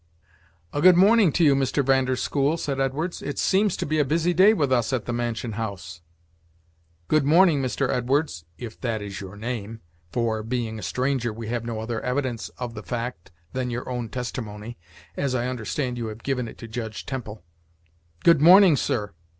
"A good morning to you, Mr. Van der School," said Edwards; "it seems to be a busy day with us at the mansion house." "Good morning, Mr. Edwards (if that is your name [for, being a stranger, we have no other evidence of the fact than your own testimony], as I understand you have given it to Judge Temple), good morning, sir.